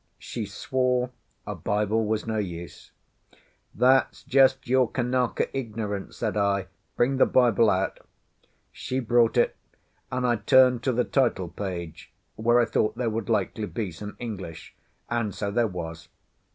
She swore a Bible was no use. "That's just your Kanaka ignorance," said I. "Bring the Bible out." She brought it, and I turned to the title page, where I thought there would likely be some English, and so there was.